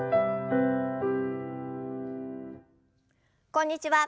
こんにちは